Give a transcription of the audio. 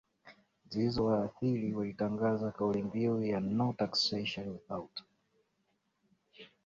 zilizowaathiri Walitangaza kaulimbiu ya no taxation without